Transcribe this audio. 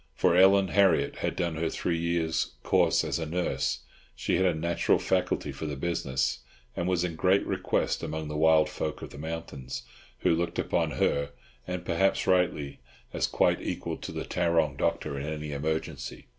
For Ellen Harriott had done her three years' course as a nurse; she had a natural faculty for the business, and was in great request among the wild folk of the mountains, who looked upon her (and perhaps rightly) as quite equal to the Tarrong doctor in any emergency.